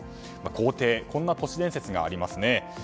公邸、こんな都市伝説があります。